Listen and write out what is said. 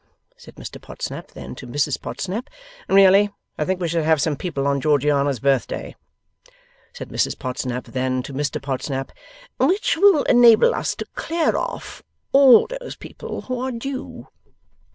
Said Mr Podsnap then to Mrs Podsnap, 'Really I think we should have some people on Georgiana's birthday.' Said Mrs Podsnap then to Mr Podsnap, 'Which will enable us to clear off all those people who are due.